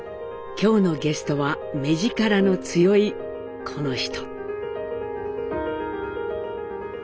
今日のゲストは目ヂカラの強いこの人。